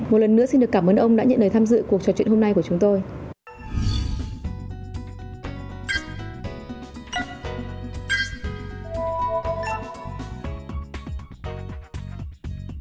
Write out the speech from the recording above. một lần nữa xin được cảm ơn ông đã nhận lời tham dự cuộc trò chuyện hôm nay của chúng tôi